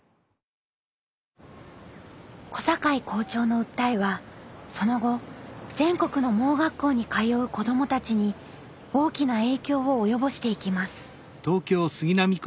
小坂井校長の訴えはその後全国の盲学校に通う子どもたちに大きな影響を及ぼしていきます。